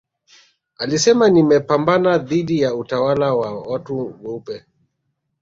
alisema nimepambana dhidi ya utawala wa watu weupe